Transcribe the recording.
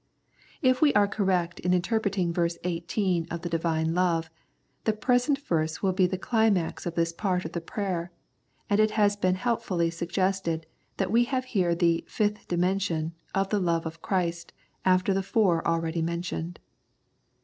If we are correct in interpreting verse 18 of the Divine love, the present verse will be the climax of this part of the prayer, and it has been helpfully suggested that we have here the " fifth dimension " of the love of Christ after the four already mentioned.